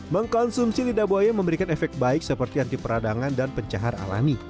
mengkonsumsi lidah buaya memberikan efek baik seperti anti peradangan dan pencahar alami